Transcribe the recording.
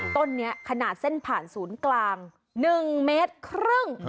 ต้นนี้ขนาดเส้นผ่านศูนย์กลาง๑เมตรครึ่ง